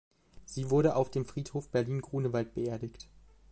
Sie wurde auf dem Friedhof Berlin-Grunewald beerdigt.